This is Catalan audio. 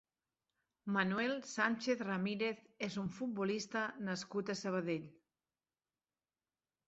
Manuel Sánchez Ramírez és un futbolista nascut a Sabadell.